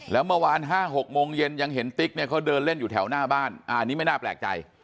แล้วเมื่อวาน๕๖โมงเย็นยังเห็นติ๊กเนี่ยเขาเดินเล่นอยู่แถวหน้าบ้านอันนี้ไม่น่าแปลกใจ